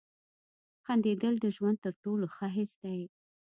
• خندېدل د ژوند تر ټولو ښه حس دی.